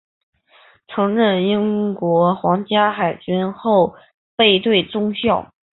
曾任英国皇家海军后备队中校。